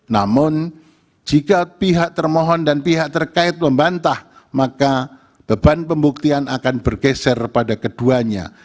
namun jika pihak termohon dan pihak terkait membantah maka beban pembuktian akan bergeser pada keduanya